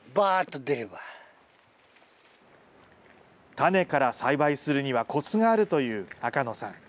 種から栽培するには、コツがあるという赤野さん。